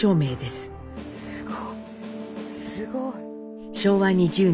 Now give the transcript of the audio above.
すごい。